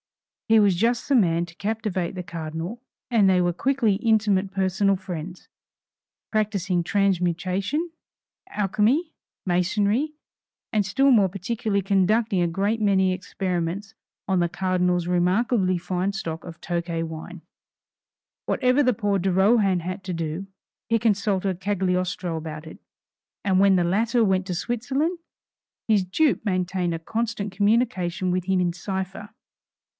He was just the man to captivate the Cardinal, and they were quickly intimate personal friends, practising transmutation, alchemy, masonry, and still more particularly conducting a great many experiments on the Cardinal's remarkably fine stock of Tokay wine. Whatever poor de Rohan had to do, he consulted Cagliostro about it, and when the latter went to Switzerland, his dupe maintained a constant communication with him in cipher.